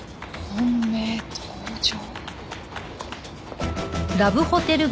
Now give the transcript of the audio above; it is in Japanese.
本命登場？